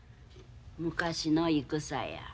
昔の戦や。